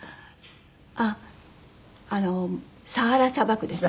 あっあのサハラ砂漠ですよね。